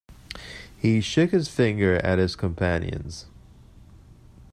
He shook his finger at his companions.